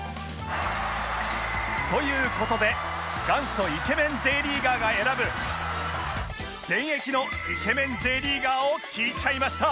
という事で元祖イケメン Ｊ リーガーが選ぶ現役のイケメン Ｊ リーガーを聞いちゃいました